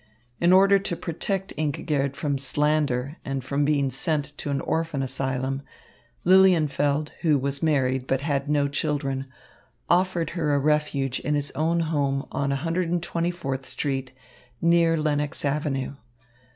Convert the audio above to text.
In order to protect Ingigerd from slander and from being sent to an orphan asylum, Lilienfeld, who was married but had no children, offered her a refuge in his own home on 124th Street near Lenox Avenue.